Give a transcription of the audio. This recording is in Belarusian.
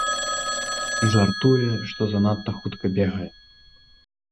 Жартуе, што занадта хутка бегае.